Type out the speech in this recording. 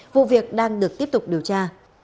vụ việc đang được tiếp tục điều tra